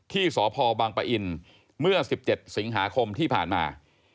ที่สพบังปะอินเมื่อ๑๗สิงหาคมที่ผ่านมา